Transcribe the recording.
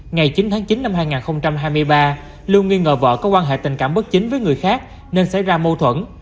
ngày chín tháng chín năm hai nghìn hai mươi ba lưu nghi ngờ vợ có quan hệ tình cảm bất chính với người khác nên xảy ra mâu thuẫn